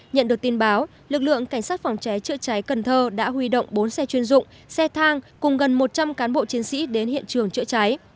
nhận được tin báo lực lượng cảnh sát phòng cháy chữa cháy cần thơ đã huy động bốn xe chuyên dụng xe thang cùng gần một trăm linh cán bộ chiến sĩ đến hiện trường chữa cháy